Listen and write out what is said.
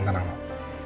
oh yang tenang dong